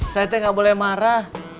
saya tuh gak boleh marah